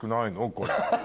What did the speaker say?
これ。